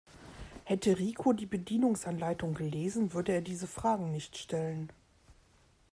Hätte Rico die Bedienungsanleitung gelesen, würde er diese Fragen nicht stellen.